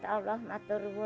dan allah memberkati dia